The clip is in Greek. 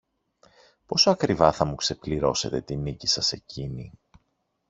Πόσο ακριβά θα μου ξεπληρώσετε τη νίκη σας εκείνη!